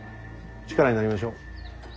力になりましょう。